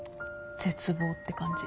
絶望って感じ。